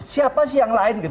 siapa sih yang lain